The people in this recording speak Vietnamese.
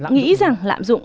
nghĩ rằng lạm dụng